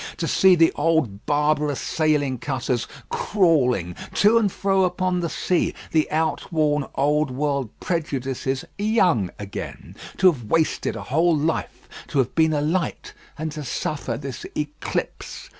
To see the old barbarous sailing cutters crawling to and fro upon the sea: the outworn old world prejudices young again; to have wasted a whole life; to have been a light, and to suffer this eclipse.